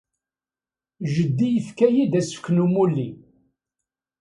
Jeddi yefka-iyi-d asefk n umulli.